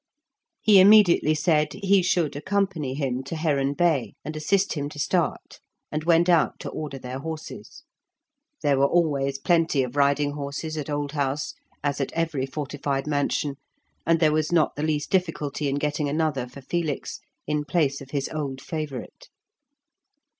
He immediately said he should accompany him to Heron Bay, and assist him to start, and went out to order their horses. There were always plenty of riding horses at Old House (as at every fortified mansion), and there was not the least difficulty in getting another for Felix in place of his old favourite.